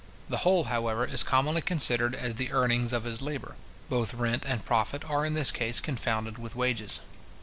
The whole, however, is commonly considered as the earnings of his labour. Both rent and profit are, in this case, confounded with wages.